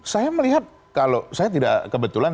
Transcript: saya melihat kalau saya tidak kebetulan